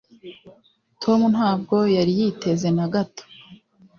tom ntabwo yari yiteze na gato.